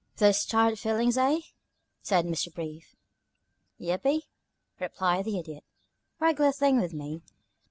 "Those tired feelings, eh?" said Mr. Brief. "Yeppy," replied the Idiot. "Regular thing with me.